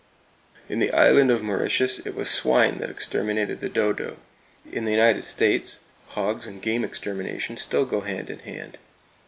In the Island of Mauritius, it was swine that exterminated the dodo. In the United States, hogs and game extermination still go hand in hand.